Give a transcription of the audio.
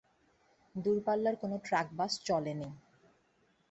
দূরপাল্লার কোনো truck bus চলেনি।